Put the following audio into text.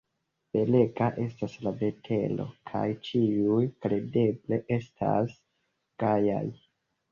Belega estas la vetero kaj ĉiuj kredeble estas gajaj.